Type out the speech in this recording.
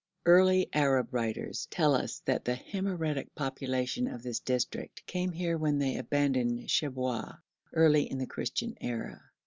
Early Arab writers tell us that the Himyaritic population of this district came here when they abandoned Shabwa, early in the Christian era.